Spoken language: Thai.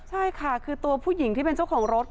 ใช่ค่ะคือตัวผู้หญิงที่เป็นเจ้าของรถ